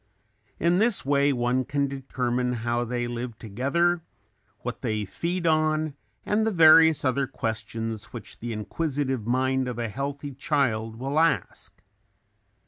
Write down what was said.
In this way one can determine how they live together, what they feed on and the various other questions which the inquisitive mind of a healthy child will ask.